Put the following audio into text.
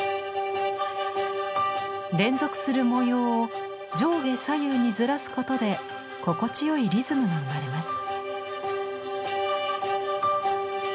連続する模様を上下左右にずらすことで心地よいリズムが生まれます。